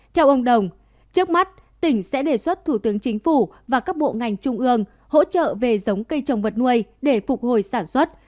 theo ông đồng trước mắt tỉnh sẽ đề xuất thủ tướng chính phủ và các bộ ngành trung ương hỗ trợ về giống cây trồng vật nuôi để phục hồi sản xuất